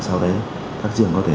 sau đấy các trường có thể